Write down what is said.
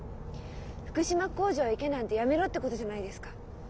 福島工場へ行けなんて「辞めろ」ってことじゃないですか。